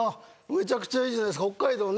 めちゃくちゃいいじゃないですか北海道ね